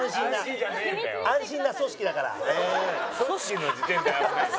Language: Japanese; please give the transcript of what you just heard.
組織の時点で危ない。